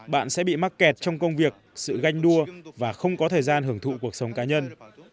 bạn sẽ bị mắc kẹt trong công việc sự ganh đua và không có thời gian hưởng thụ cuộc sống cá nhân